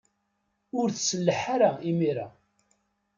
Ur tselleḥ ara imir-a.